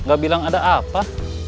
gak bilang ada apa